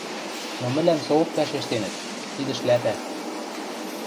Но мӹлӓм соок вӓшештенӹт: «Тидӹ шляпӓ».